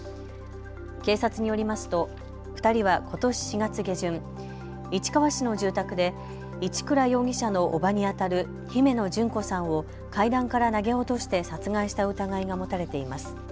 警察によりますと２人はことし４月下旬、市川市の住宅で一倉容疑者の伯母にあたる姫野旬子さんを階段から投げ落として殺害した疑いが持たれています。